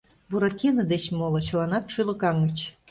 Буратино деч моло чыланат шӱлыкаҥыч.